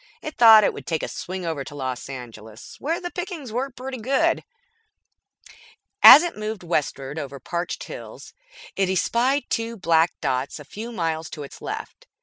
It thought it would take a swing over to Los Angeles, where the pickings were pretty good. As it moved westward over parched hills, it espied two black dots a few miles to its left.